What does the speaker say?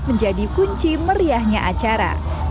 menjadi kunci meriahnya acara